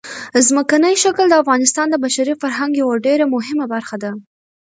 ځمکنی شکل د افغانستان د بشري فرهنګ یوه ډېره مهمه برخه ده.